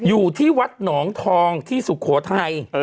อยู่ที่วัดหนองทองที่สุโขทัย